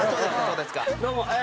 どうも。